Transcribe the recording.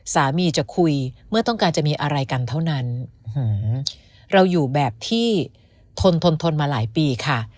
สามีจะคุยเมื่อต้องการจะมีอะไรกันเท่านั้นเราอยู่แบบที่ทนทนทนมาหลายปีค่ะ